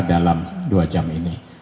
dalam dua jam ini